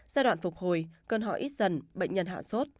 giai đoạn phục hồi cơn họ ít dần bệnh nhân hạ sốt